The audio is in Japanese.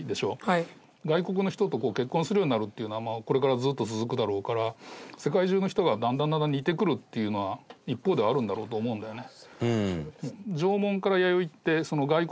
外国の人と結婚するようになるっていうのはこれからずっと続くだろうから世界中の人がだんだんだんだん似てくるっていうのは一方ではあるんだろうと思うんだよね。